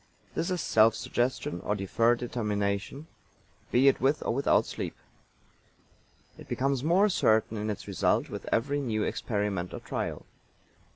This is Self Suggestion or deferred determination, be it with or without sleep. It becomes more certain in its result with every new experiment or trial.